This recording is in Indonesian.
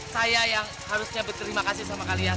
saya yang harusnya berterima kasih sama kalian